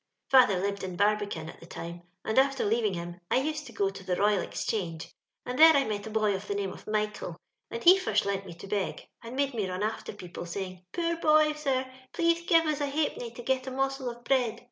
*' Father lired in Barlnean at that time, end after leering him, I naed to go to the Bt^al Bachange, and there I met e hqr of the neme ef Miflhael, and he flrat leamt me to beg, end made me ran after pec^ile, aajing, * Poor htj^ eir— pleaae give na a ha'penny to gat e moaael of bread.'